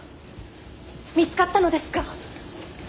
見つかったのですか？